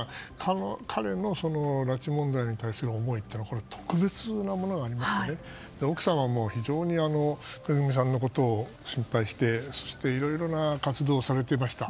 彼の拉致問題に対する思いっていうのは特別なものがありましてね奥様も非常に安倍さんのことを心配してそしていろいろな活動をしておられました。